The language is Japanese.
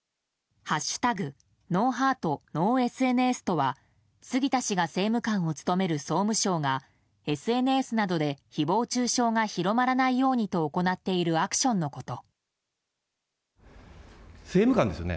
「＃ＮｏＨｅａｒｔＮｏＳＮＳ」とは杉田氏が政務官を務める総務省がＳＮＳなどで誹謗中傷が広まらないようにと行っているアクションのこと。